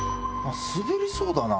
滑りそうだな。